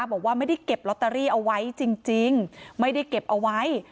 บอกว่าไม่ได้เก็บลอตเตอรี่เอาไว้จริงไม่ได้เก็บเอาไว้